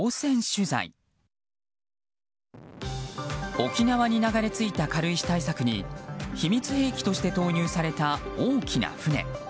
沖縄に流れ着いた軽石対策に秘密兵器として投入された大きな船。